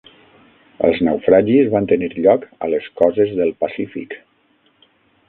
Els naufragis van tenir lloc a les coses del Pacífic.